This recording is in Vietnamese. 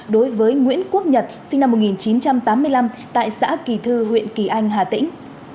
đối với nguyễn quốc nhật sinh năm một nghìn chín trăm tám mươi năm tại xã kỳ thư huyện kỳ anh hà tĩnh